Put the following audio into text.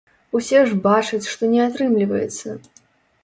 Усе ж бачаць, што не атрымліваецца!